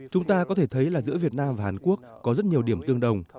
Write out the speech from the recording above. chúng ta có thể thấy là giữa việt nam và hàn quốc có rất nhiều điểm tương đồng